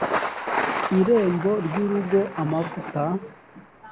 irembo ry urugo amavuta